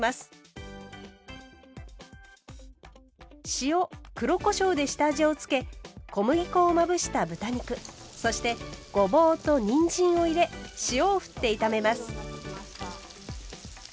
塩黒こしょうで下味を付け小麦粉をまぶした豚肉そしてごぼうとにんじんを入れ塩をふって炒めます。